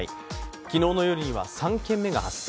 昨日の夜には３件目が発生。